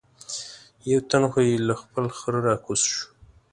یو تن خو یې له خپل خره را کوز شو.